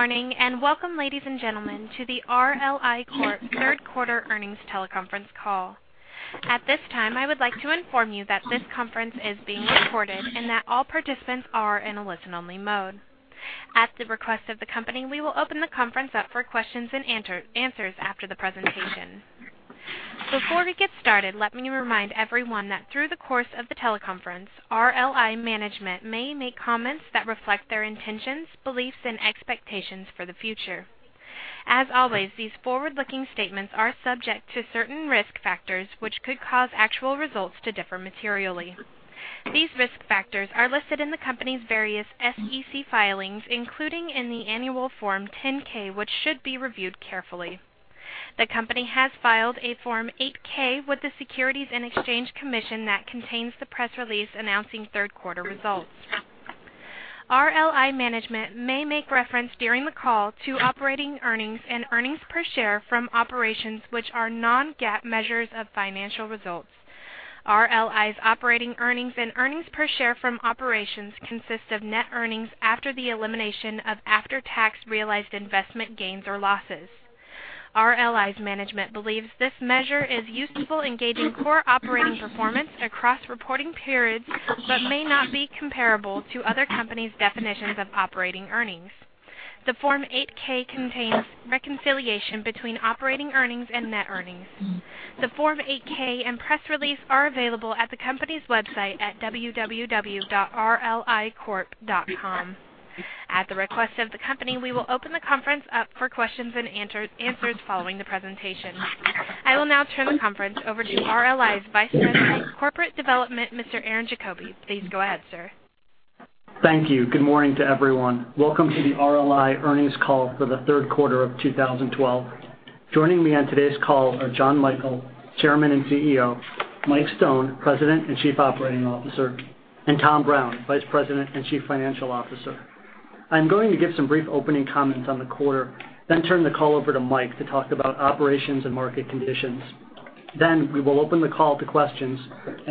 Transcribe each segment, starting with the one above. Good morning, welcome, ladies and gentlemen, to the RLI Corp third quarter earnings teleconference call. At this time, I would like to inform you that this conference is being recorded and that all participants are in a listen-only mode. At the request of the company, we will open the conference up for questions and answers after the presentation. Before we get started, let me remind everyone that through the course of the teleconference, RLI management may make comments that reflect their intentions, beliefs, and expectations for the future. As always, these forward-looking statements are subject to certain risk factors, which could cause actual results to differ materially. These risk factors are listed in the company's various SEC filings, including in the annual Form 10-K, which should be reviewed carefully. The company has filed a Form 8-K with the Securities and Exchange Commission that contains the press release announcing third-quarter results. RLI management may make reference during the call to operating earnings and earnings per share from operations, which are non-GAAP measures of financial results. RLI's operating earnings and earnings per share from operations consist of net earnings after the elimination of after-tax realized investment gains or losses. RLI's management believes this measure is useful in gauging core operating performance across reporting periods but may not be comparable to other companies' definitions of operating earnings. The Form 8-K contains reconciliation between operating earnings and net earnings. The Form 8-K and press release are available at the company's website at www.rlicorp.com. At the request of the company, we will open the conference up for questions and answers following the presentation. I will now turn the conference over to RLI's Vice President of Corporate Development, Mr. Aaron Diefenthaler. Please go ahead, sir. Thank you. Good morning to everyone. Welcome to the RLI earnings call for the third quarter of 2012. Joining me on today's call are Jon Michael, Chairman and CEO; Mike Stone, President and Chief Operating Officer; and Tom Brown, Vice President and Chief Financial Officer. I'm going to give some brief opening comments on the quarter, turn the call over to Mike to talk about operations and market conditions. We will open the call to questions,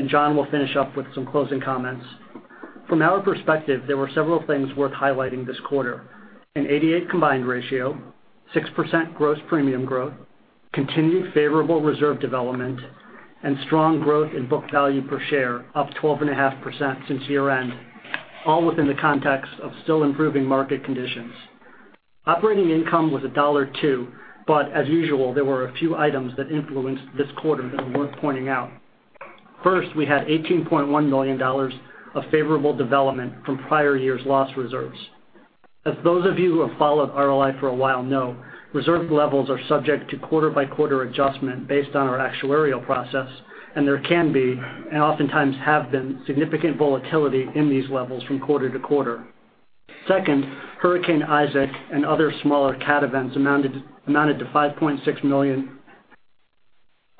Jon will finish up with some closing comments. From our perspective, there were several things worth highlighting this quarter. An 88 combined ratio, 6% gross premium growth, continued favorable reserve development, and strong growth in book value per share, up 12.5% since year-end, all within the context of still improving market conditions. Operating income was $1.02. As usual, there were a few items that influenced this quarter that are worth pointing out. First, we had $18.1 million of favorable development from prior year's loss reserves. As those of you who have followed RLI for a while know, reserve levels are subject to quarter-by-quarter adjustment based on our actuarial process, and there can be, and oftentimes have been, significant volatility in these levels from quarter to quarter. Second, Hurricane Isaac and other smaller cat events amounted to $5.6 million,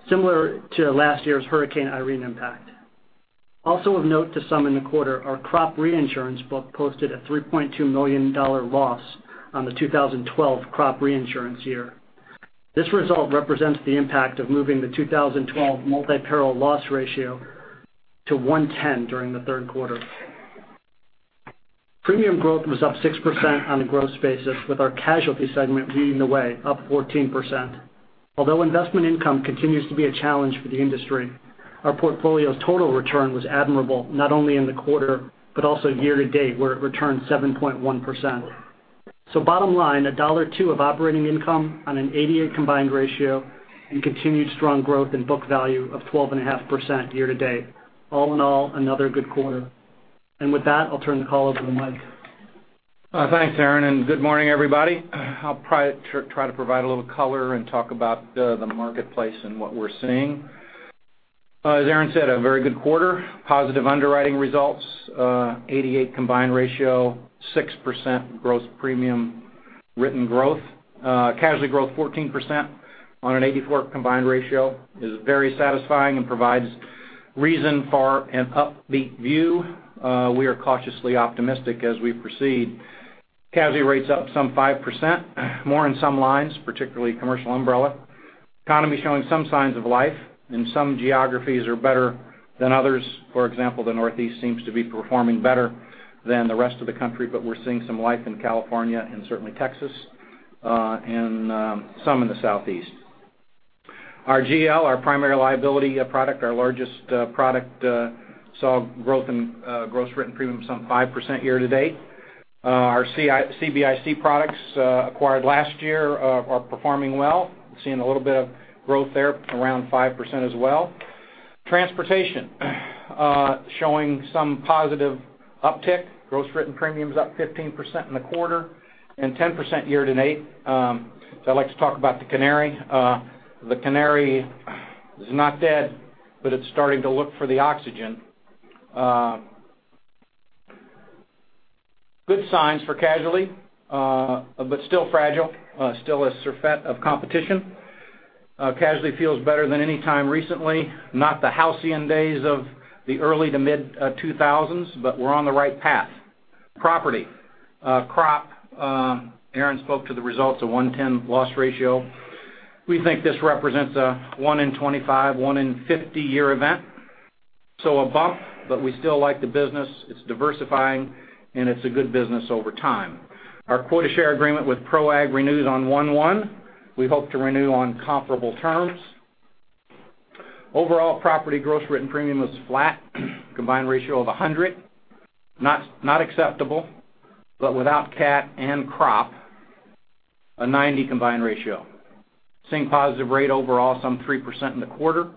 similar to last year's Hurricane Irene impact. Also of note to some in the quarter, our crop reinsurance book posted a $3.2 million loss on the 2012 crop reinsurance year. This result represents the impact of moving the 2012 multi-peril loss ratio to 110 during the third quarter. Premium growth was up 6% on a gross basis, with our casualty segment leading the way, up 14%. Although investment income continues to be a challenge for the industry, our portfolio's total return was admirable, not only in the quarter but also year-to-date, where it returned 7.1%. Bottom line, $1.02 of operating income on an 88 combined ratio and continued strong growth in book value of 12.5% year-to-date. All in all, another good quarter. With that, I'll turn the call over to Mike. Thanks, Aaron. Good morning, everybody. I'll try to provide a little color and talk about the marketplace and what we're seeing. As Aaron said, a very good quarter. Positive underwriting results, 88 combined ratio, 6% gross written premium growth. Casualty growth 14% on an 84 combined ratio is very satisfying and provides reason for an upbeat view. We are cautiously optimistic as we proceed. Casualty rates up some 5%, more in some lines, particularly commercial umbrella. Economy showing some signs of life, and some geographies are better than others. For example, the Northeast seems to be performing better than the rest of the country, but we're seeing some life in California and certainly Texas, and some in the Southeast. Our GL, our primary liability product, our largest product, saw growth in gross written premium some 5% year-to-date. Our CBIC products acquired last year are performing well. We're seeing a little bit of growth there, around 5% as well. Transportation showing some positive uptick. Gross written premium's up 15% in the quarter and 10% year-to-date. I like to talk about the canary. The canary is not dead, it's starting to look for the oxygen. Good signs for casualty, still fragile, still a surfeit of competition. Casualty feels better than any time recently. Not the halcyon days of the early to mid-2000s, we're on the right path. Property. Crop. Aaron spoke to the results of 110 loss ratio. We think this represents a 1 in 25, 1 in 50-year event. A bump, we still like the business. It's diversifying, and it's a good business over time. Our quota share agreement with ProAg renews on 1/1. We hope to renew on comparable terms. Overall, property gross written premium was flat, combined ratio of 100. Not acceptable, but without cat and crop, a 90 combined ratio. Seeing positive rate overall, some 3% in the quarter.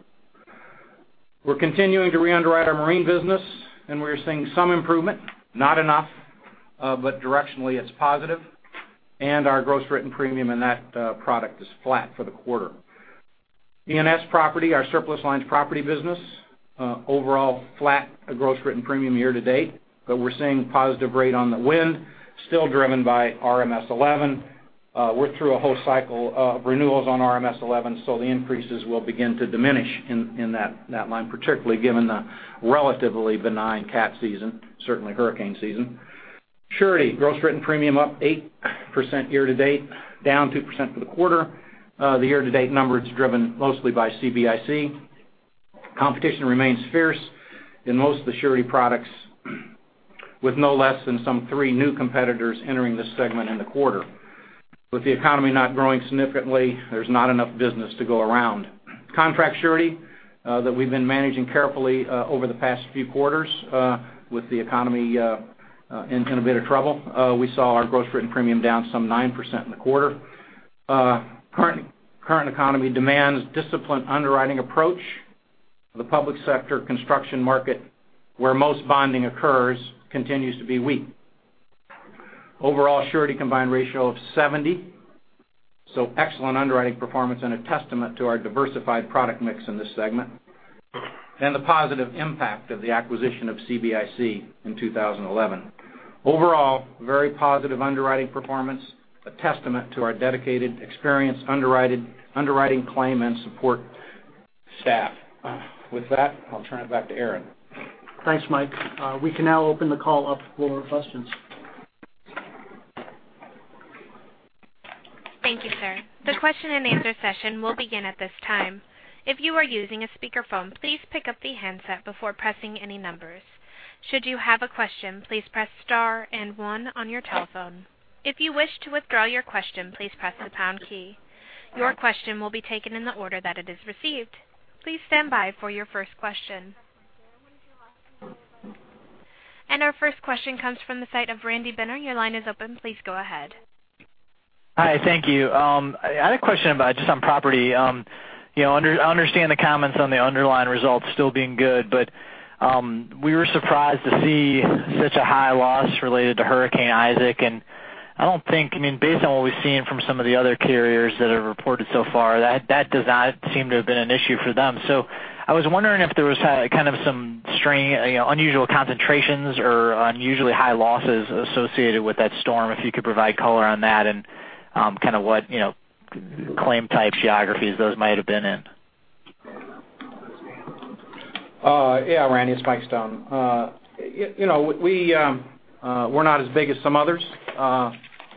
We're continuing to re-underwrite our marine business, and we're seeing some improvement. Not enough, but directionally it's positive. Our gross written premium in that product is flat for the quarter. E&S property, our surplus lines property business, overall flat gross written premium year to date. We're seeing positive rate on the wind, still driven by RMS 11. We're through a whole cycle of renewals on RMS 11, so the increases will begin to diminish in that line, particularly given the relatively benign cat season, certainly hurricane season. Surety, gross written premium up 8% year to date, down 2% for the quarter. The year to date number, it's driven mostly by CBIC. Competition remains fierce in most of the surety products, with no less than some three new competitors entering this segment in the quarter. With the economy not growing significantly, there's not enough business to go around. Contract surety that we've been managing carefully over the past few quarters with the economy in a bit of trouble. We saw our gross written premium down some 9% in the quarter. Current economy demands disciplined underwriting approach. The public sector construction market, where most bonding occurs, continues to be weak. Overall surety combined ratio of 70, so excellent underwriting performance and a testament to our diversified product mix in this segment. The positive impact of the acquisition of CBIC in 2011. Overall, very positive underwriting performance, a testament to our dedicated, experienced underwriting claim and support staff. With that, I'll turn it back to Aaron. Thanks, Mike. We can now open the call up for questions. Thank you, sir. The question and answer session will begin at this time. If you are using a speakerphone, please pick up the handset before pressing any numbers. Should you have a question, please press star and one on your telephone. If you wish to withdraw your question, please press the pound key. Your question will be taken in the order that it is received. Please stand by for your first question. Our first question comes from the site of Randy Binner. Your line is open. Please go ahead. I had a question about just on property. I understand the comments on the underlying results still being good. We were surprised to see such a high loss related to Hurricane Isaac, and I don't think, based on what we've seen from some of the other carriers that have reported so far, that does not seem to have been an issue for them. I was wondering if there was kind of some unusual concentrations or unusually high losses associated with that storm, if you could provide color on that and kind of what claim type geographies those might have been in. Yeah, Randy, it's Mike Stone. We're not as big as some others.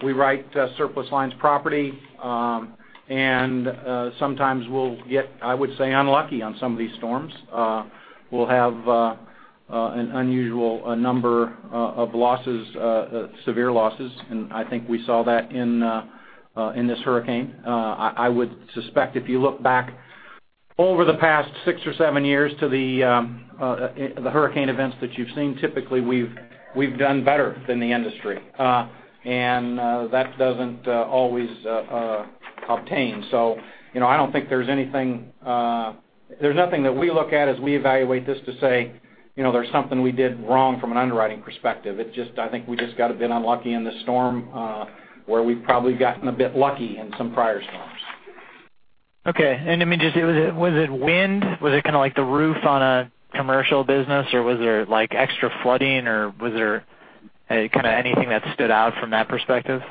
We write surplus lines property, and sometimes we'll get, I would say, unlucky on some of these storms. We'll have an unusual number of severe losses, and I think we saw that in this hurricane. I would suspect if you look back over the past six or seven years to the hurricane events that you've seen, typically we've done better than the industry, and that doesn't always obtain. I don't think there's anything that we look at as we evaluate this to say there's something we did wrong from an underwriting perspective. It's just, I think we just got a bit unlucky in this storm, where we've probably gotten a bit lucky in some prior storms. Okay. Just, was it wind? Was it kind of like the roof on a commercial business, or was there extra flooding, or was there kind of anything that stood out from that perspective?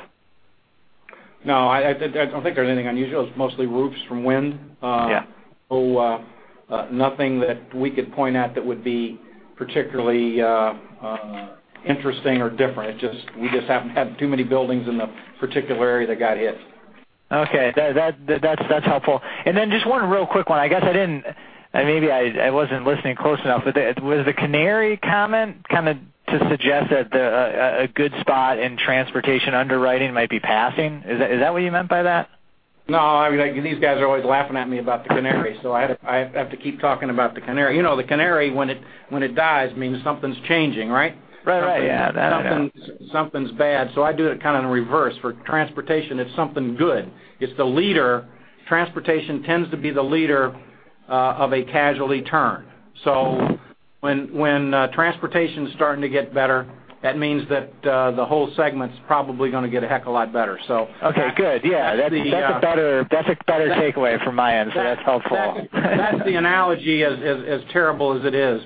No, I don't think there's anything unusual. It's mostly roofs from wind. Yeah. Nothing that we could point at that would be particularly interesting or different. We just happened to have too many buildings in the particular area that got hit. Okay. That's helpful. Then just one real quick one. I guess I didn't, maybe I wasn't listening close enough, but was the canary comment kind of to suggest that a good spot in transportation underwriting might be passing? Is that what you meant by that? No, these guys are always laughing at me about the canary, so I have to keep talking about the canary. The canary, when it dies, means something's changing, right? Right. Yeah. Something's bad. I do it kind of in reverse. For transportation, it's something good. It's the leader. Transportation tends to be the leader of a casualty turn. When transportation's starting to get better, that means that the whole segment's probably going to get a heck of a lot better. Okay, good. Yeah. That's a better takeaway from my end, so that's helpful. That's the analogy, as terrible as it is.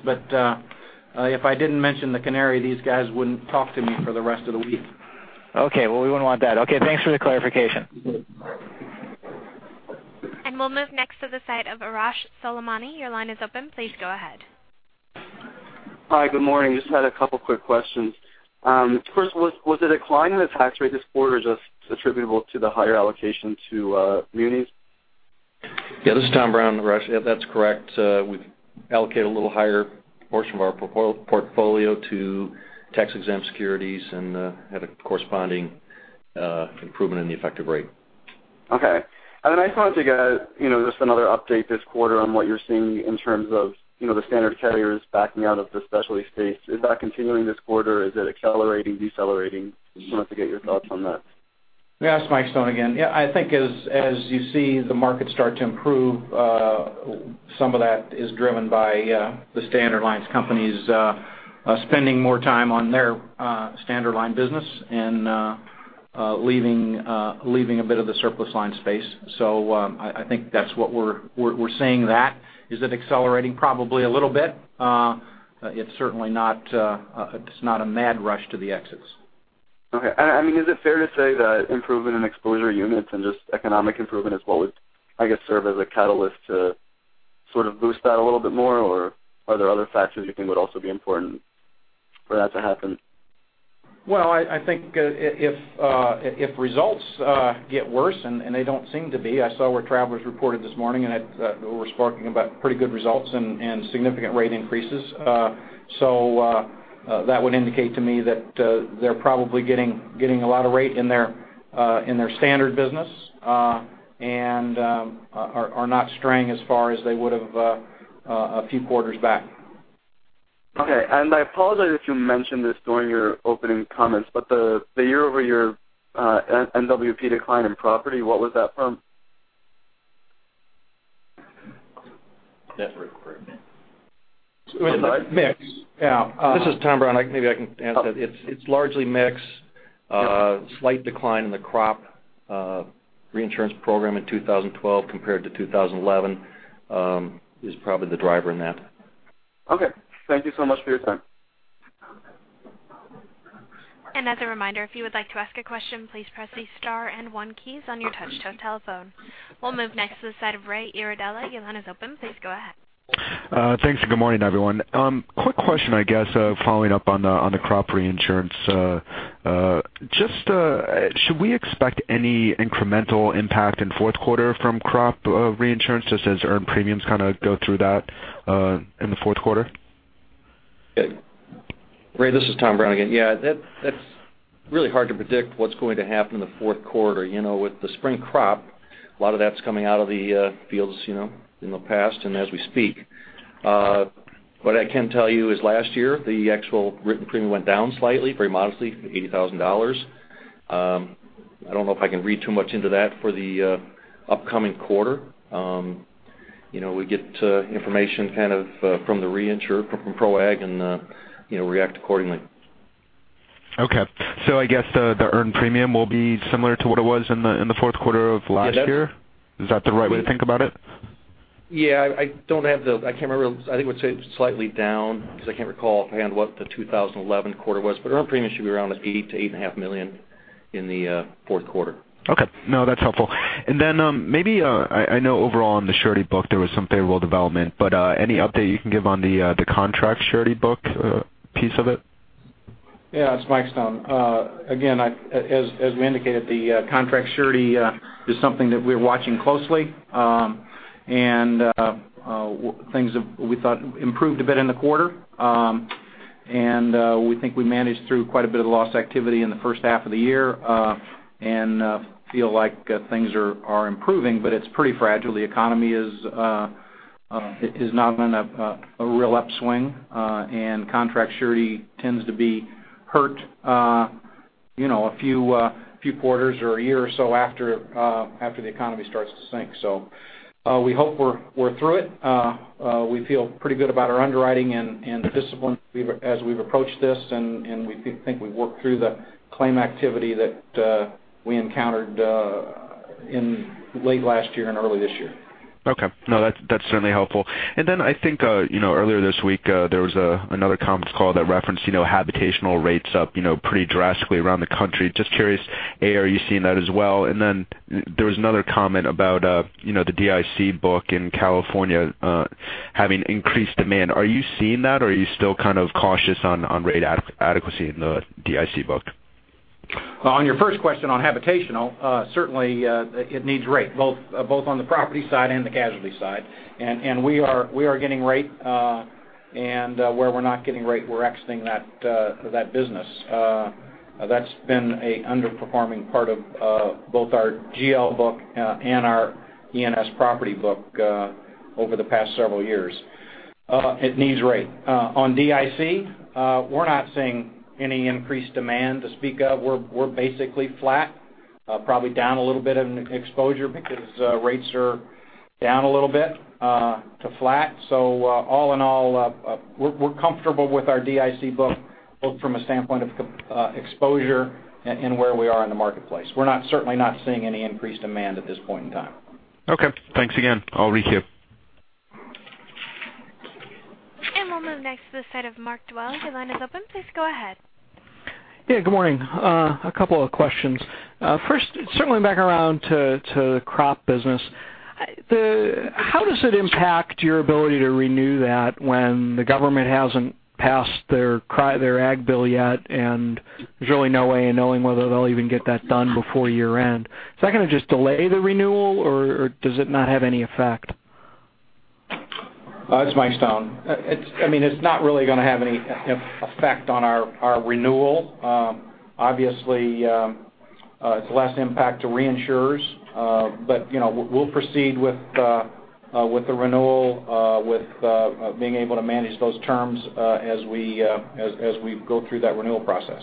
If I didn't mention the canary, these guys wouldn't talk to me for the rest of the week. Okay. Well, we wouldn't want that. Okay, thanks for the clarification. We'll move next to the site of Arash Soleimani. Your line is open. Please go ahead. Hi, good morning. Just had a couple quick questions. First, was the decline in the tax rate this quarter just attributable to the higher allocation to munis? Yeah, this is Tom Brown. Arash. Yeah, that's correct. We allocate a little higher portion of our portfolio to tax-exempt securities and had a corresponding improvement in the effective rate. Okay. I just wanted to get just another update this quarter on what you're seeing in terms of the standard carriers backing out of the specialty space. Is that continuing this quarter? Is it accelerating, decelerating? Just wanted to get your thoughts on that. Yes, Mike Stone again. I think as you see the market start to improve, some of that is driven by the standard lines companies spending more time on their standard line business and leaving a bit of the surplus lines space. I think that is what we are seeing that. Is it accelerating? Probably a little bit. It is certainly not a mad rush to the exits. Okay. Is it fair to say that improvement in exposure units and just economic improvement is what would, I guess, serve as a catalyst to sort of boost that a little bit more? Or are there other factors you think would also be important for that to happen? Well, I think if results get worse and they do not seem to be, I saw where Travelers reported this morning, and they were speaking about pretty good results and significant rate increases. That would indicate to me that they are probably getting a lot of rate in their standard business, and are not straying as far as they would have a few quarters back. Okay. I apologize if you mentioned this during your opening comments, the year-over-year NWP decline in property, what was that from? That requirement. Mix. Yeah. This is Tom Brown. Maybe I can answer. It's largely mix. Slight decline in the crop reinsurance program in 2012 compared to 2011 is probably the driver in that. Okay. Thank you so much for your time. As a reminder, if you would like to ask a question, please press the star and one keys on your touchtone telephone. We'll move next to the side of Ray Iardella. Your line is open. Please go ahead. Thanks, good morning, everyone. Quick question, I guess, following up on the crop reinsurance. Should we expect any incremental impact in fourth quarter from crop reinsurance, just as earned premiums kind of go through that in the fourth quarter? Ray, this is Tom Brown again. Yeah, that's really hard to predict what's going to happen in the fourth quarter. With the spring crop, a lot of that's coming out of the fields in the past and as we speak. What I can tell you is last year, the actual written premium went down slightly, very modestly, $80,000. I don't know if I can read too much into that for the upcoming quarter. We get information kind of from the reinsurer, from ProAg, react accordingly. Okay. I guess the earned premium will be similar to what it was in the fourth quarter of last year? Yes. Is that the right way to think about it? Yeah, I can't remember. I think I would say slightly down because I can't recall offhand what the 2011 quarter was, but earned premium should be around $8 million-$8.5 million in the fourth quarter. Okay. No, that's helpful. Then, maybe, I know overall on the surety book there was some favorable development, but any update you can give on the contract surety book piece of it? Yeah, it's Mike Stone. Again, as we indicated, the contract surety is something that we're watching closely. Things we thought improved a bit in the quarter. We think we managed through quite a bit of the loss activity in the first half of the year, and feel like things are improving, but it's pretty fragile. The economy is not in a real upswing. Contract surety tends to be hurt a few quarters or a year or so after the economy starts to sink. We hope we're through it. We feel pretty good about our underwriting and the discipline as we've approached this, and we think we've worked through the claim activity that we encountered in late last year and early this year. Okay. No, that's certainly helpful. I think earlier this week, there was another conference call that referenced habitational rates up pretty drastically around the country. Just curious, A, are you seeing that as well? There was another comment about the DIC book in California having increased demand. Are you seeing that, or are you still kind of cautious on rate adequacy in the DIC book? On your first question on habitational, certainly, it needs rate, both on the property side and the casualty side. We are getting rate, and where we're not getting rate, we're exiting that business. That's been an underperforming part of both our GL book and our E&S property book over the past several years. It needs rate. On DIC, we're not seeing any increased demand to speak of. We're basically flat, probably down a little bit in exposure because rates are down a little bit to flat. All in all, we're comfortable with our DIC book, both from a standpoint of exposure and where we are in the marketplace. We're certainly not seeing any increased demand at this point in time. Okay. Thanks again. I'll requeue. We'll move next to the side of Mark Dwelle. Your line is open. Please go ahead. Yeah, good morning. A couple of questions. First, circling back around to the crop business. How does it impact your ability to renew that when the government hasn't passed their Farm Bill yet, and there's really no way of knowing whether they'll even get that done before year-end? Is that going to just delay the renewal, or does it not have any effect? It's Mike Stone. It's not really going to have any effect on our renewal. Obviously, it's less impact to reinsurers. We'll proceed with the renewal, with being able to manage those terms as we go through that renewal process.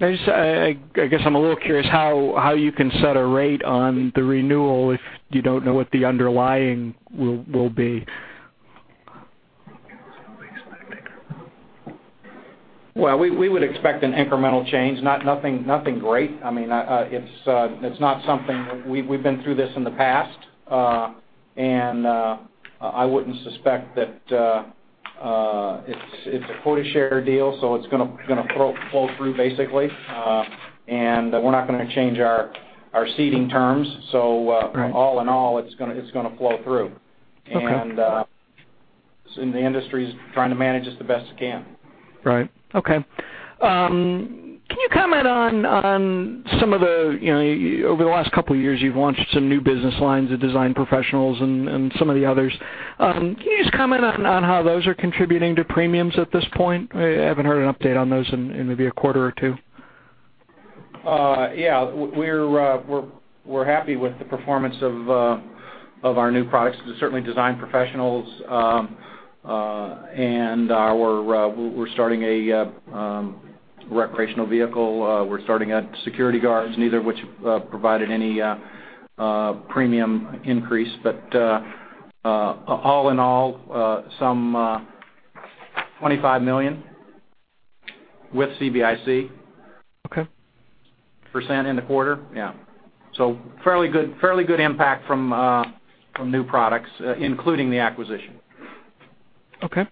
I guess I'm a little curious how you can set a rate on the renewal if you don't know what the underlying will be. Well, we would expect an incremental change. Nothing great. We've been through this in the past. It's a quota share deal, it's going to flow through, basically. We're not going to change our ceding terms. Right All in all, it's going to flow through. Okay. The industry's trying to manage this the best it can. Right. Okay. Over the last couple of years, you've launched some new business lines of design professionals and some of the others. Can you just comment on how those are contributing to premiums at this point? I haven't heard an update on those in maybe a quarter or two. Yeah. We're happy with the performance of our new products. Certainly design professionals, we're starting a recreational vehicle, we're starting security guards, neither of which provided any premium increase. All in all, some $25 million with CBIC. Okay. Percent in the quarter. Yeah. Fairly good impact from new products, including the acquisition. Okay.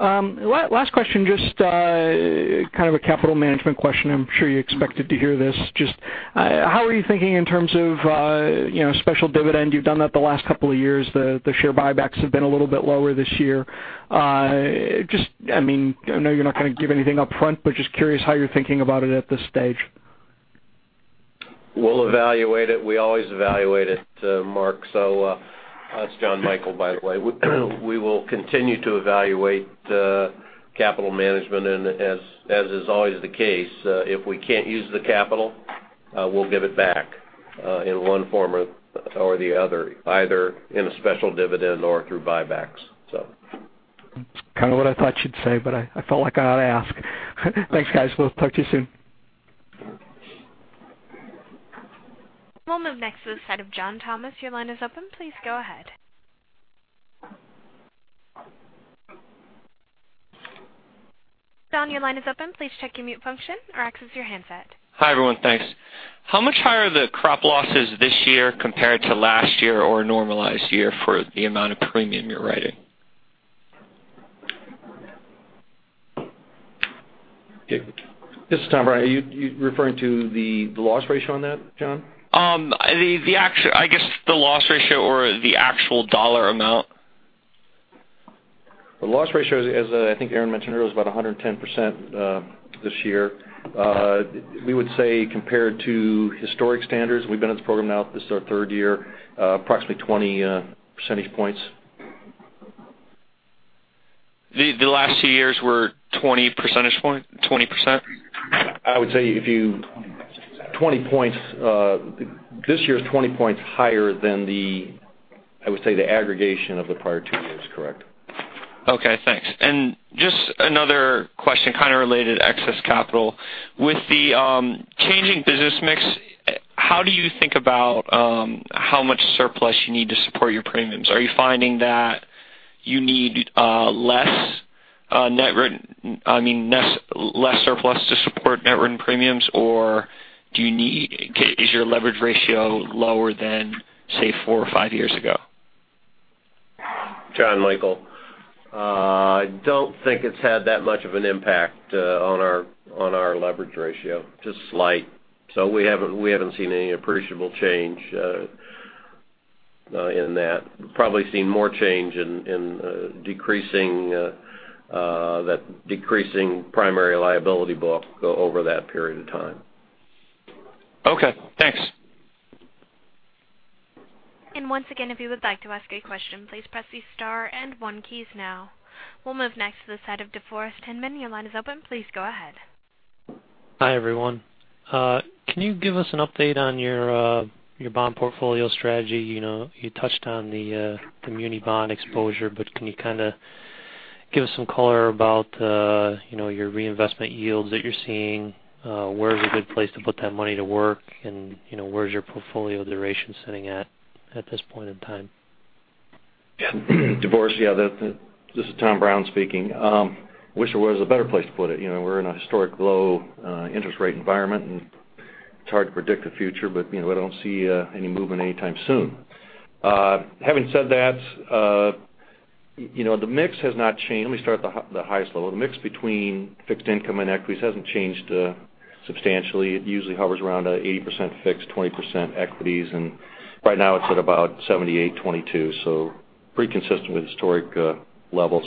Last question, just kind of a capital management question. I'm sure you expected to hear this. Just how are you thinking in terms of a special dividend? You've done that the last couple of years. The share buybacks have been a little bit lower this year. I know you're not going to give anything upfront, but just curious how you're thinking about it at this stage. We'll evaluate it. We always evaluate it, Mark. It's Jon Michael, by the way. We will continue to evaluate capital management. As is always the case, if we can't use the capital, we'll give it back in one form or the other, either in a special dividend or through buybacks. Kind of what I thought you'd say. I felt like I ought to ask. Thanks, guys. We'll talk to you soon. We'll move next to the side of John Thomas, your line is open. Please go ahead. John, your line is open. Please check your mute function or access your handset. Hi, everyone. Thanks. How much higher are the crop losses this year compared to last year or a normalized year for the amount of premium you're writing? This is Tom Brown. Are you referring to the loss ratio on that, John? I guess the loss ratio or the actual dollar amount. The loss ratio is, I think Aaron mentioned earlier, was about 110% this year. We would say compared to historic standards, we've been in this program now, this is our third year, approximately 20 percentage points. The last two years were 20 percentage point, 20%? I would say this year is 20 points higher than the, I would say, the aggregation of the prior two years. Correct. Okay, thanks. Just another question, kind of related to excess capital. With the changing business mix, how do you think about how much surplus you need to support your premiums? Are you finding that you need less surplus to support net written premiums, or is your leverage ratio lower than, say, four or five years ago? Jon Michael. I don't think it's had that much of an impact on our leverage ratio, just slight. We haven't seen any appreciable change in that. Probably seen more change in decreasing that decreasing primary liability book over that period of time. Okay, thanks. Once again, if you would like to ask a question, please press the star and one keys now. We'll move next to the side of DeForest Hinman. Your line is open. Please go ahead. Hi, everyone. Can you give us an update on your bond portfolio strategy? You touched on the muni bond exposure, but can you kind of give us some color about your reinvestment yields that you're seeing? Where is a good place to put that money to work, and where is your portfolio duration sitting at this point in time? DeForest, yeah. This is Tom Brown speaking. Wish there was a better place to put it. We're in a historic low interest rate environment, and it's hard to predict the future, but I don't see any movement anytime soon. Having said that, The mix has not changed. Let me start at the highest level. The mix between fixed income and equities hasn't changed substantially. It usually hovers around 80% fixed, 20% equities, and right now it's at about 78/22, so pretty consistent with historic levels.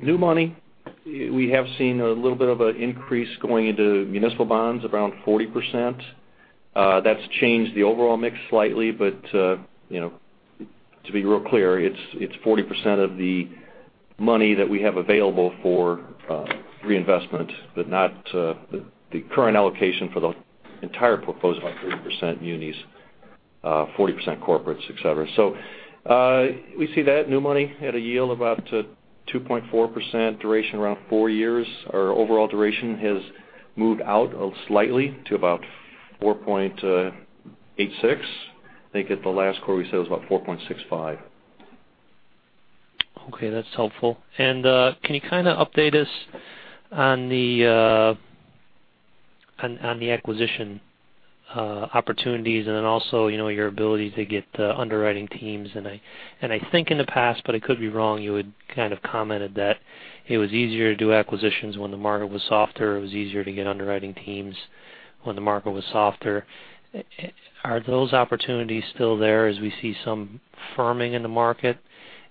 New money, we have seen a little bit of an increase going into municipal bonds, around 40%. That's changed the overall mix slightly, but to be real clear, it's 40% of the money that we have available for reinvestment, but not the current allocation for the entire portfolio, 30% munis, 40% corporates, et cetera. We see that new money at a yield of about 2.4%, duration around four years. Our overall duration has moved out slightly to about 4.86. I think at the last quarter we said it was about 4.65. Okay, that's helpful. Can you update us on the acquisition opportunities and then also your ability to get underwriting teams? I think in the past, but I could be wrong, you had commented that it was easier to do acquisitions when the market was softer. It was easier to get underwriting teams when the market was softer. Are those opportunities still there as we see some firming in the market?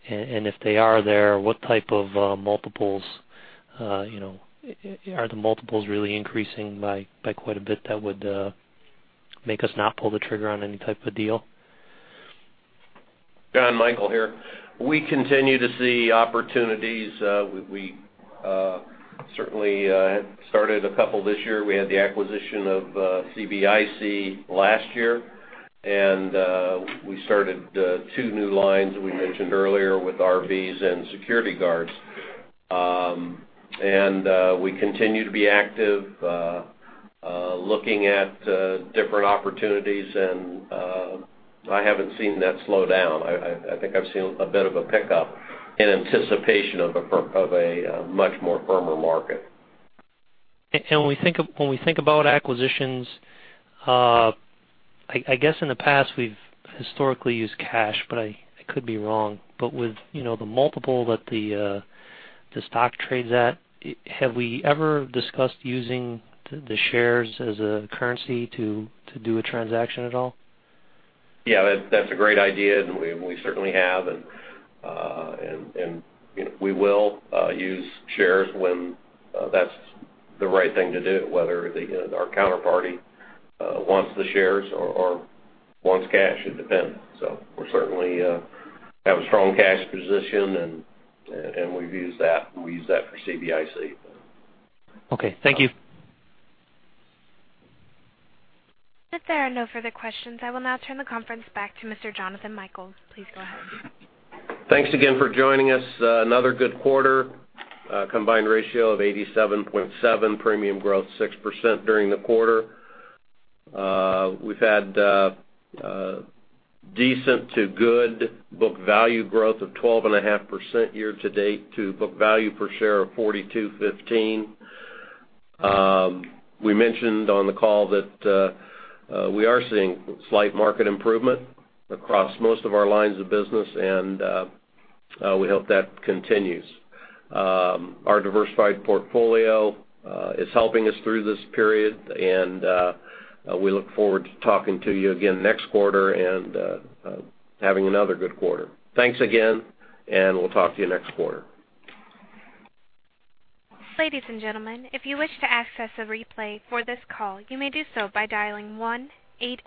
If they are there, what type of multiples? Are the multiples really increasing by quite a bit that would make us not pull the trigger on any type of deal? Jon Michael here. We continue to see opportunities. We certainly started a couple this year. We had the acquisition of CBIC last year. We started two new lines we mentioned earlier with RVs and security guards. We continue to be active, looking at different opportunities, and I haven't seen that slow down. I think I've seen a bit of a pickup in anticipation of a much more firmer market. When we think about acquisitions, I guess in the past, we've historically used cash, I could be wrong. With the multiple that the stock trades at, have we ever discussed using the shares as a currency to do a transaction at all? That's a great idea, and we certainly have, and we will use shares when that's the right thing to do. Whether our counterparty wants the shares or wants cash, it depends. We certainly have a strong cash position, and we've used that, and we used that for CBIC. Thank you. If there are no further questions, I will now turn the conference back to Mr. Jonathan Michael. Please go ahead. Thanks again for joining us. Another good quarter. A combined ratio of 87.7. Premium growth 6% during the quarter. We've had decent to good book value growth of 12.5% year to date to a book value per share of $42.15. We mentioned on the call that we are seeing slight market improvement across most of our lines of business, and we hope that continues. Our diversified portfolio is helping us through this period, and we look forward to talking to you again next quarter and having another good quarter. Thanks again. We'll talk to you next quarter. Ladies and gentlemen, if you wish to access a replay for this call, you may do so by dialing 1-8-